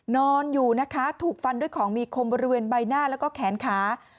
นอนอยู่นะคะถูกฟันด้วยของมีคมบริเวณใบหน้าแล้วก็แขนขา